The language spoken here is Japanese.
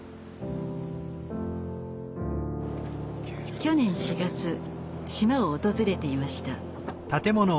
去年４月島を訪れていました。